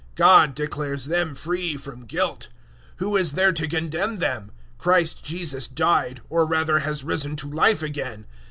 God declares them free from guilt. 008:034 Who is there to condemn them? Christ Jesus died, or rather has risen to life again.